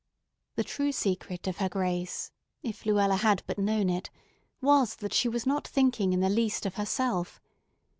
The true secret of her grace, if Luella had but known it, was that she was not thinking in the least of herself.